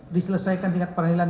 diselesaikan tingkat peradilan